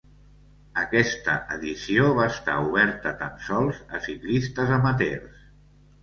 Aquesta edició va estar oberta tan sols a ciclistes amateurs.